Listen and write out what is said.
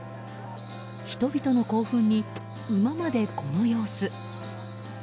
人々の興奮に馬までこの様子。